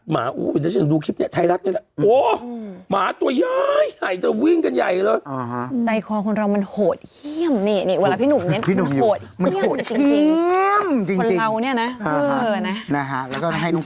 หน้าสูตรไม่ตายก็ไม่เซฟอะไรอีก